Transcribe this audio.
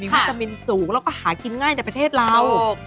วิตามินสูงแล้วก็หากินง่ายในประเทศเรา